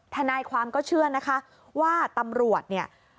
ทนายความก็เชื่อนะคะว่าตำรวจเนี่ย